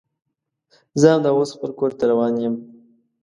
زه همدا اوس خپل کور ته روان یم